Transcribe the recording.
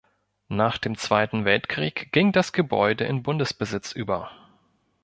Nach dem Zweiten Weltkrieg ging das Gebäude in Bundesbesitz über.